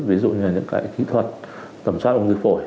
ví dụ như là những kỹ thuật tầm soát ung thư phổi